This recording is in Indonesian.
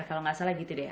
kalau gak salah gitu deh